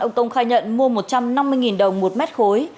ông công khai nhận mua một trăm năm mươi đồng một m khối